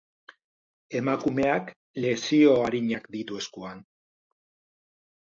Emakumeak lesio arinak ditu eskuan.